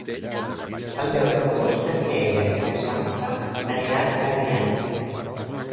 El deu d'agost na Mireia i na Sança aniran a Ariany.